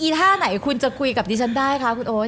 อีท่าไหนคุณจะคุยกับทีฉันได้คะคุณโอ๊ดนะครับ